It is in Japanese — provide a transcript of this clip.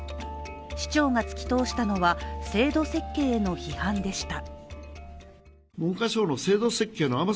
市長が突き通したのは制度設計への批判でした。